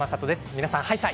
皆さんハイサイ